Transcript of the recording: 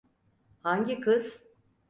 Hangi kız?